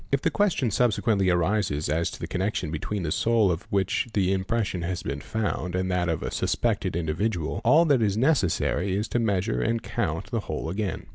If the question subse quently arises as to the connection between the sole of which the impression has been found and that of a suspected individual, all that is necessary is — to measure and count the whole again.